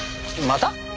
また？